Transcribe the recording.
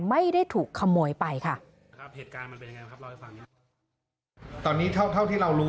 ไม่ได้ถูกขโมยไปค่ะ